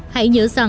hãy nhớ rằng